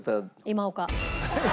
今岡。